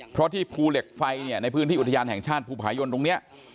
เพราะที่ภูเหล็กไฟเนี่ยในพื้นที่อุทยานแห่งชาติภูผายนตรงนี้